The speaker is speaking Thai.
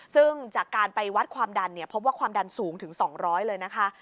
ซึ่งจากการไปวัดความดันเนี่ยพบว่าความดันสูงถึง๒๐๐เลยนะคะ